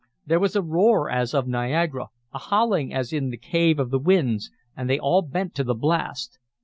There was a roar as of Niagara, a howling as in the Cave of the Winds, and they all bent to the blast.